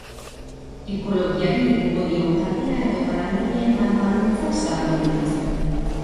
Ekologiari egingo dion kaltea edota langileen lan baldintzak salatu dituzte.